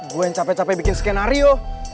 gua yang cape cape bikin skenario